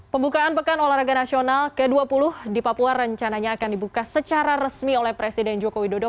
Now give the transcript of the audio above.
pembukaan pekan olahraga nasional ke dua puluh di papua rencananya akan dibuka secara resmi oleh presiden joko widodo